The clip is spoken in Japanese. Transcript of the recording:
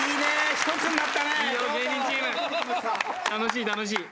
楽しい楽しい。